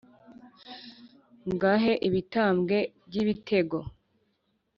ngahe ibitambwe by’ibitego